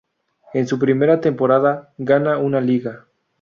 En su primera temporada gana una Liga.